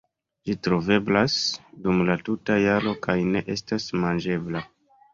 Ĝi troveblas dum la tuta jaro kaj ne estas manĝebla.